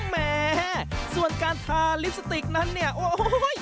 แหมส่วนการทาลิปสติกนั้นเนี่ยโอ้โห